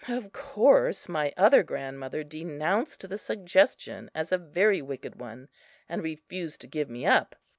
Of course my other grandmother denounced the suggestion as a very wicked one, and refused to give me up.